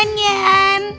hai bebe pial pial